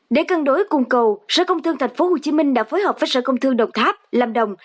để cân đối cùng cầu sở công thương thành phố hồ chí minh đã phối hợp với sở công thương đồng tháp lâm đồng